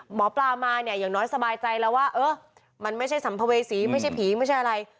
หมอปลามาเนี่ยอย่างน้อยสบายใจแล้วว่าเออมันไม่ใช่สัมภเวษีไม่ใช่ผีไม่ใช่อะไร